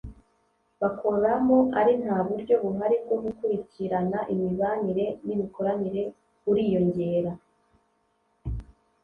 Bakoramo ari nta buryo buhari bwo gukurikirana imibanire n imikoranire uriyongera